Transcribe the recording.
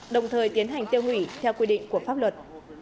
đồng thời tiến hành tiêu hủy theo quy định của pháp luật